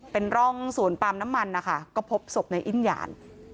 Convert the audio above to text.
เป็นร่องสวนปาล์มน้ำมันนะคะก็พบศพในอิ้นหยาน